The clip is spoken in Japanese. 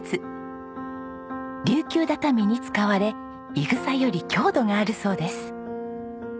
琉球畳に使われイグサより強度があるそうです。